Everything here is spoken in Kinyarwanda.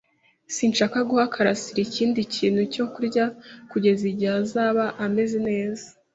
Sinshaka guha karasira ikindi kintu cyo kurya kugeza igihe azaba ameze neza.